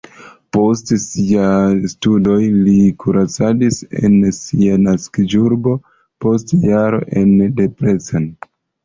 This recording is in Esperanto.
Post siaj studoj li kuracadis en sia naskiĝurbo, post jaro en Debrecen.